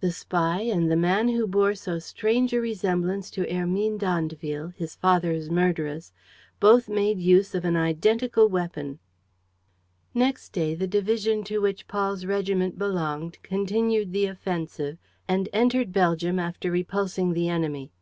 The spy and the woman who bore so strange a resemblance to Hermine d'Andeville, his father's murderess, both made use of an identical weapon. Next day, the division to which Paul's regiment belonged continued the offensive and entered Belgium after repulsing the enemy.